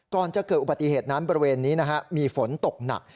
ก่อนจะเกิดอุบัติเหตุนั้นบริเวณนี้มีฝนตกหนัก